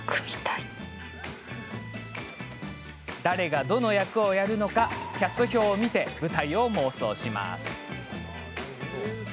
誰が、どの役をやるのかキャスト表を見て舞台を妄想します。